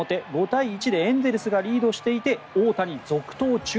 ５対１でエンゼルスがリードしていて大谷続投中。